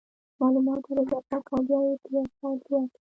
مالومات ور اضافه که او بیا یې په یو فایل کې واچوه